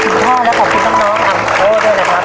คุณพ่อและขอบคุณน้องอามโอ้ด้วยนะครับ